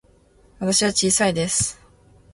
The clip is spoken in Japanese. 私は小さいです。